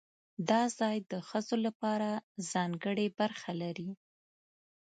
دا ځای د ښځو لپاره ځانګړې برخه لري.